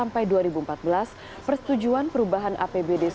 persetujuan perubahan apbd